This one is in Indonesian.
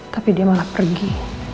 tapi dia malah pergi